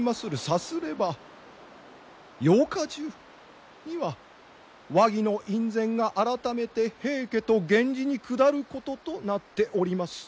さすれば８日中には和議の院宣が改めて平家と源氏に下ることとなっております。